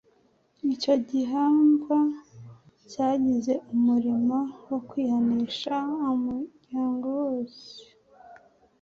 Icyo gihamva cyagize umurimo wo kwihanisha umuryango wose.